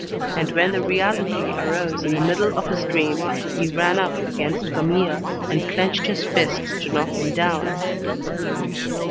And when the reality arose in the middle of his dream, he ran up against Camille, and clenched his fists to knock him down.